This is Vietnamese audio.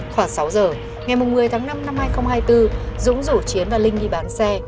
khoảng sáu giờ ngày một mươi tháng năm năm hai nghìn hai mươi bốn dũng rủ chiến và linh đi bán xe